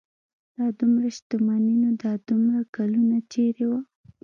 دا دومره شتمني نو دا دومره کلونه چېرې وه.